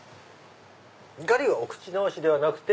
ガリはお口直しではなくて？